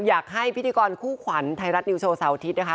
พิธีกรคู่ขวัญไทยรัฐนิวโชว์เสาร์อาทิตย์นะคะ